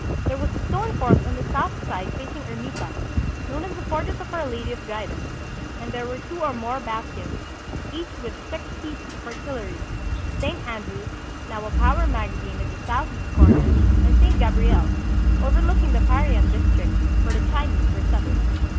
There was a stone fort on the south side facing Ermita, known as the Fortress of Our Lady of Guidance; and there were two or more bastions, each with six pieces of artillery, St. Andrew's, now a powder mag azine at the southeast corner, and St. Gabriel's, over looking the Parian district, where the Chinese were settled.